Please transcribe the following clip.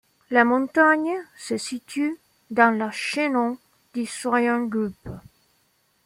La montagne se situe dans le chaînon du Soierngruppe.